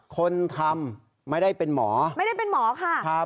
คนทำไม่ได้เป็นหมอไม่ได้เป็นหมอค่ะ